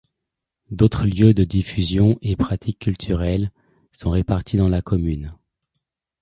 D'autres lieux de diffusion et pratique culturelle sont répartis dans la commune.